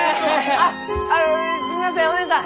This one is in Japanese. あっすみませんおねえさん！